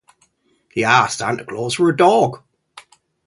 He asks Santa Claus for a dog.